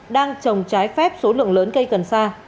đang trồng trái phép số lượng lớn cây cần sa